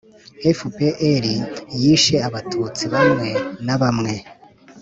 fpr yishe abatutsi bamwe na bamwe